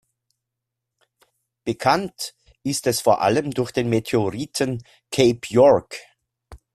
Bekannt ist es vor allem durch den Meteoriten "Cape York".